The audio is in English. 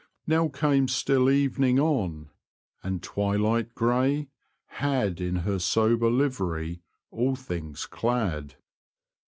Now came still evening on, and twilight gray Had in her sober liv'ry all things clad.